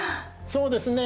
そうですね。